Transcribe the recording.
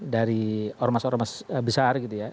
dari ormas ormas besar gitu ya